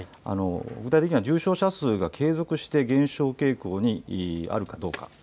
具体的には重症者数が継続して減少傾向にあるかどうか。